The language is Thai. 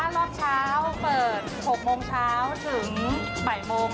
รอบเช้าเปิด๖โมงเช้าถึงบ่ายโมง